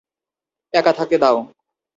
একা থাকতে দাও।